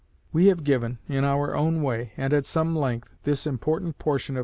We have given, in our own way, and at some length, this important portion of M.